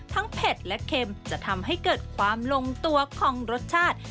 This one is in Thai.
เผ็ดและเค็มจะทำให้เกิดความลงตัวของรสชาติ